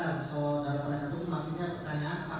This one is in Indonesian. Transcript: harusnya di petisita sendiri ya